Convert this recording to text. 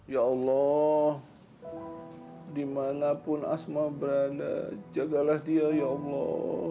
ya allah dimanapun asma berada jagalah dia ya allah